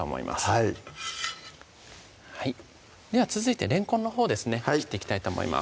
はいはいでは続いてれんこんのほうですね切っていきたいと思います